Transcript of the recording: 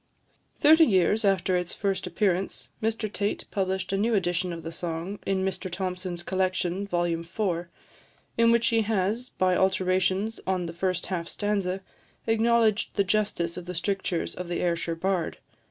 Thirty years after its first appearance, Mr Tait published a new edition of the song in Mr Thomson's Collection, vol. iv., in which he has, by alterations on the first half stanza, acknowledged the justice of the strictures of the Ayrshire bard.